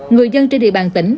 người dân trên địa bàn tỉnh